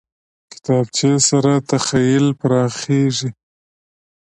کتابچه سره تخیل پراخېږي